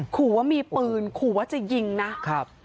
ขอว่ามีปืนขอว่าจะยิงนะ